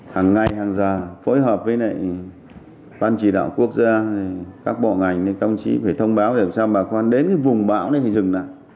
hàng ngày hàng giờ phối hợp với văn chỉ đạo quốc gia các bộ ngành công chí phải thông báo để làm sao bà con đến cái vùng bão này thì dừng lại